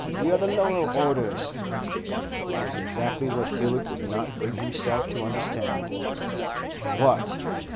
we are the lower orders!' It was exactly what Hewett would not bring himself to understand. What!